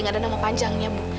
gak ada nama panjangnya bu